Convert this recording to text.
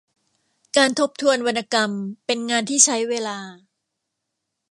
การทบทวนวรรณกรรมเป็นงานที่ใช้เวลา